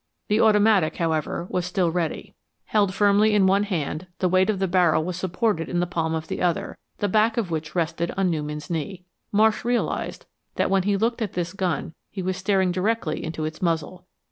The automatic, however, was still ready. Held firmly in one hand, the weight of the barrel was supported in the palm of the other, the back of which rested on Newman's knee. Marsh realized that when he looked at this gun he was staring directly into its muzzle.